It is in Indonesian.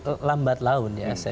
saya kira lambat laun ya